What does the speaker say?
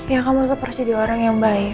ya kamu tetap harus jadi orang yang baik